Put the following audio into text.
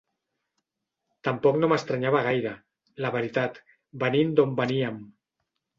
Tampoc no m'estranyava gaire, la veritat, venint d'on veníem.